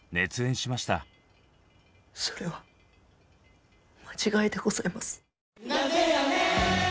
それは間違いでございます。